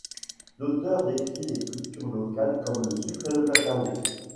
L'auteur décrit les cultures locales comme le sucre et le cacao.